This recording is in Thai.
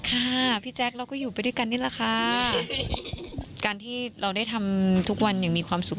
ค่ะพี่แจ๊คเราก็อยู่ไปด้วยกันนี่แหละค่ะการที่เราได้ทำทุกวันอย่างมีความสุข